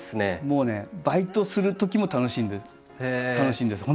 もうねバイトするときも楽しんで楽しいんです